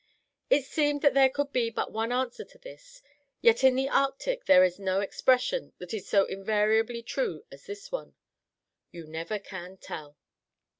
It seemed that there could be but one answer to this; yet in the Arctic there is no expression that is so invariably true as this one: "You never can tell."